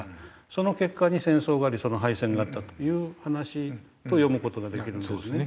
その結果に戦争があり敗戦があったという話と読む事ができるんですね。